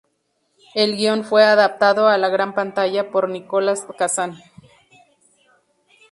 El guion fue adaptado a la gran pantalla por Nicholas Kazan.